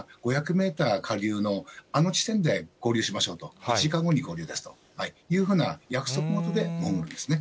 メーター下流のあの地点で合流しましょうと、１時間後に合流ですと、約束事で潜るんですね。